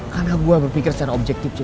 karena gue berpikir secara objektif cip